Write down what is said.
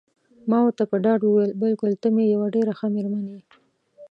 ما ورته په ډاډ وویل: بلکل ته مې یوه ډېره ښه میرمن یې.